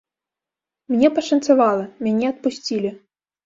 Мне пашанцавала, мяне адпусцілі.